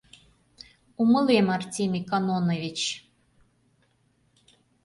— Умылем, Артемий Кононович.